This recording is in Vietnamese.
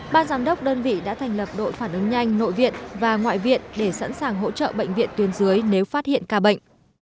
ba giám đốc đơn vị đã thành lập đội phản ứng nhanh nội viện và ngoại viện để sẵn sàng hỗ trợ bệnh viện tuyến dưới nếu phát hiện ca bệnh